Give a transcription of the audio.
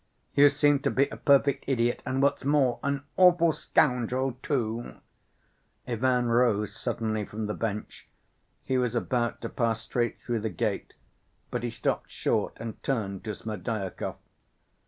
"You seem to be a perfect idiot, and what's more ... an awful scoundrel, too." Ivan rose suddenly from the bench. He was about to pass straight through the gate, but he stopped short and turned to Smerdyakov.